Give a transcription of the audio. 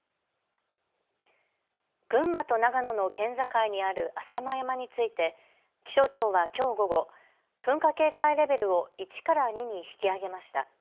群馬と長野の県境にある浅間山について気象庁はきょう午後、噴火警戒レベルを１から２に引き上げました。